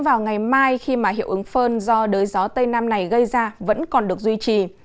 vào ngày mai khi mà hiệu ứng phơn do đới gió tây nam này gây ra vẫn còn được duy trì